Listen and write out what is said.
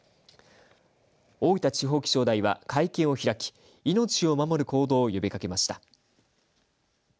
大分地方気象台は会見を開き命を守る行動を呼びかけました。